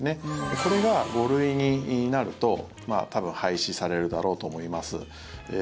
これが５類になると多分廃止されるだろうと思います。